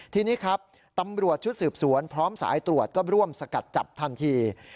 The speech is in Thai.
ทีนี้ครับตำรวจชุดสืบสวนพร้อมสายตรวจก็ร่วมสกัดจับทันที